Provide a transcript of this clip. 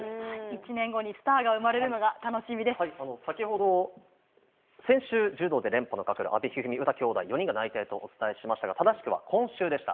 １年後にスターが生まれるの先ほど、先週、柔道で連覇のかかる阿部一二三、詩きょうだい、４人が内定とお伝えしましたが、正しくは今週でした。